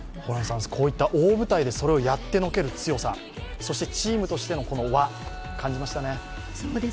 こういった大舞台でそれをやってのける強さそして、チームとしての輪感じましたね。